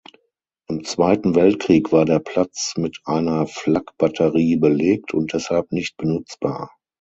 Im Zweiten Weltkrieg war der Platz mit einer Flak-Batterie belegt und deshalb nicht benutzbar.